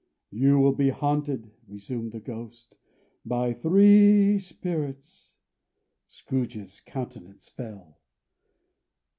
"You will be haunted," resumed the Ghost, "by Three Spirits." Scrooge's countenance fell.